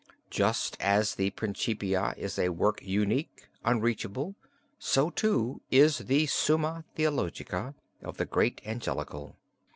Just as the Principia is a work unique, unreachable, so, too, is the 'Summa Theologica' of the great Angelical.